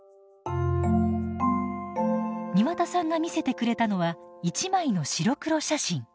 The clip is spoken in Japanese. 庭田さんが見せてくれたのは１枚の白黒写真。